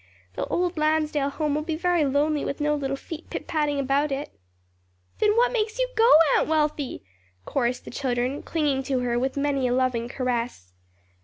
The old Lansdale home will be very lonely with no little feet pit patting about it." "Then what makes you go, Aunt Wealthy?" chorused the children, clinging to her with many a loving caress.